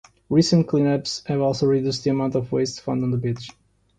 Recent clean ups have also reduced the amount of waste found on the beach.